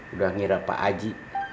udah ngira pak haji